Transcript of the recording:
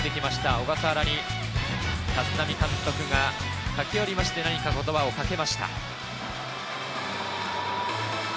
小笠原に立浪監督がかけよりまして、何か言葉をかけました。